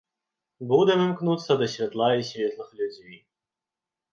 Будам імкнуцца да святла і светлых людзей.